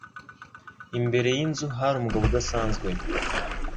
Imbere yinzu hari umugabo udasanzwe.